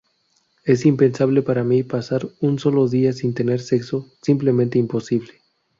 Es impensable para mí pasar un solo día sin tener sexo, simplemente imposible.